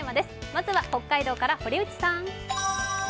まずは北海道から、堀内さん。